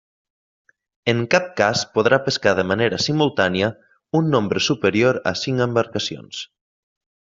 En cap cas podrà pescar de manera simultània un nombre superior a cinc embarcacions.